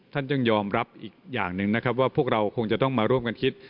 ท่านต้องยอมรับอีกอย่างหนึ่งนะครับว่าพวกเราคงจะต้องมาร่วมกันคิด